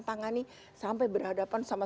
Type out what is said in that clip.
tangani sampai berhadapan sama